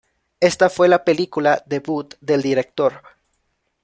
Esta fue la película debut del director.